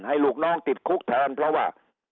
ลูกน้องติดคุกแทนเพราะว่า